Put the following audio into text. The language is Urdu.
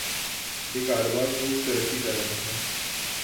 یہ کاروبار خوب ترقی کر رہا ہے۔